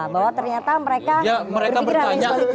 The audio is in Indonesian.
bahwa ternyata mereka berpikiran lain sebaliknya